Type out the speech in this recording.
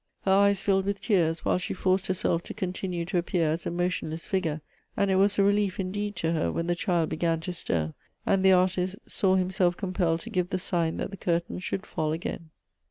Her eyes filled with tears, while she forced herself to continue to appear as a motionless figure, and it was a relief, indeed, to her when the child began to stir, — and the artist saw himself compelled to give the sign that the curtain should fall again.